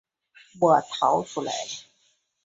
我逃出来